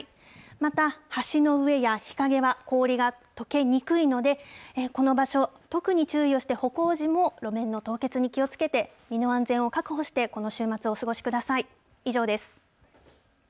また、橋の上や日陰は、氷がとけにくいので、この場所、特に注意をして歩行時も路面の凍結に気をつけて、身の安全を確保して、この週末をお過ごしください。